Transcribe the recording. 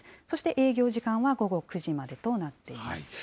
そして営業時間は午後９時までとなっています。